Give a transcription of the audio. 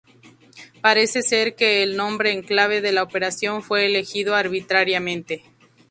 Parece ser que el nombre en clave de la operación fue elegido arbitrariamente.